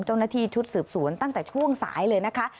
เจ้าหน้าที่ชุดสืบสวนตั้งแต่ช่วงสายเลยนะคะ